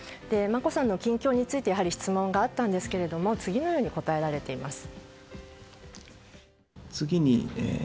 眞子さんの近況について質問があったんですが次のように答えられています。